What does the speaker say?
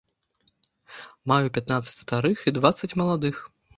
Маю пятнаццаць старых і дваццаць маладых.